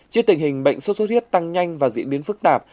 trước tình hình bệnh sốt xuất huyết tăng nhanh và diễn biến phức tạp